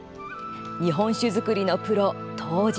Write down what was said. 日本酒造りのプロ、杜氏。